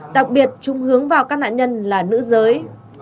đặc biệt chúng hướng vào các nạn nhân là nữ giới